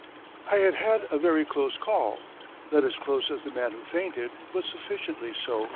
I had had a very close call not as close as the man who fainted, but sufficiently so for me.